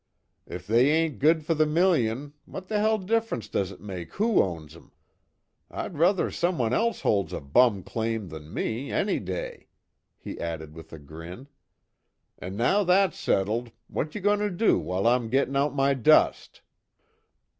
If they ain't good for the million, what the hell difference does it make who owns 'em? I'd ruther someone else holds a bum claim than me, any day," he added with a grin. "An' now that's settled, what you goin' to do, while I'm gettin' out my dust?"